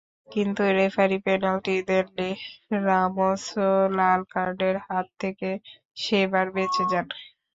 কিন্তু referee penalty দেননি, রামোসও লাল কার্ডের হাত থেকে সেবার বেঁচে যান।